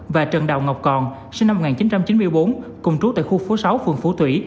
và trần đào ngọc còn sinh năm một nghìn chín trăm chín mươi bốn cùng trú tại khu phố sáu phường phú thủy